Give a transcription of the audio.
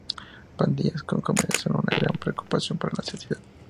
Pandillas con jóvenes son una gran preocupación para la sociedad.